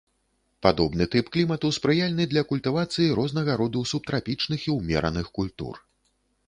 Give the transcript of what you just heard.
Падобны тып клімату спрыяльны для культывацыі рознага роду субтрапічных і ўмераных культур.